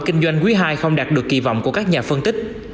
kinh doanh quý ii không đạt được kỳ vọng của các nhà phân tích